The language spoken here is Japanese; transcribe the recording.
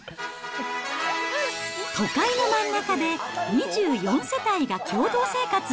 都会の真ん中で２４世帯が共同生活！